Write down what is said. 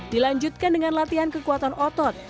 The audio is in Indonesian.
dilanjutkan dengan latihan kekuatan otot